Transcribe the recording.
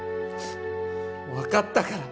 わかったから！